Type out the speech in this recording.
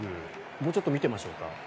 もうちょっと見てましょうか。